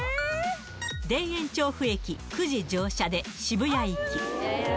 田園調布駅９時乗車で渋谷行き。